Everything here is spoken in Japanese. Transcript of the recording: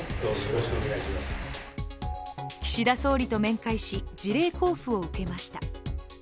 岸田総理と面会し、辞令交付を受けました。